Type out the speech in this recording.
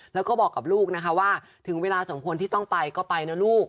แล้วก็บอกกับลูกนะคะว่าถึงเวลาสมควรที่ต้องไปก็ไปนะลูก